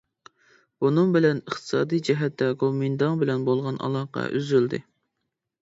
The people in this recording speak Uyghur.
بۇنىڭ بىلەن ئىقتىسادىي جەھەتتە گومىنداڭ بىلەن بولغان ئالاقە ئۈزۈلدى.